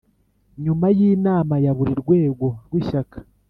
Nyuma y inama ya buri rwego rw Ishyaka